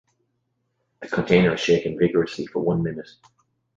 The container is shaken vigorously for one minute.